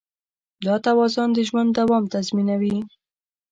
دا توازن د ژوند دوام تضمینوي.